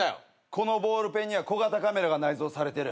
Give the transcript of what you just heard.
このボールペンには小型カメラが内蔵されてる。